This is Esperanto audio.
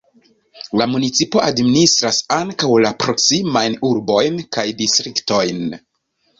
La municipo administras ankaŭ la proksimajn urbojn kaj distriktojn.